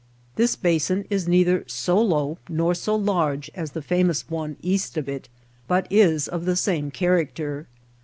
This basin is neither so low nor so large as the famous one east of it, but is of the same character.